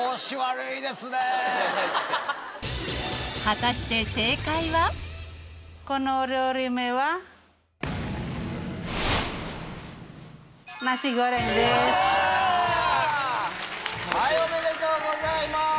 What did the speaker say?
果たしてこのお料理名は。おめでとうございます！